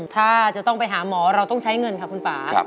ถ้าจะต้องไปหาหมอเราต้องใช้เงินค่ะคุณป่า